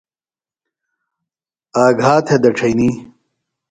آگھا تھےۡ دڇھئنی۔